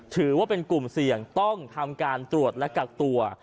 ถือว่าเป็นกลุ่มเสี่ยงต้องทำการตรวจและกักตัว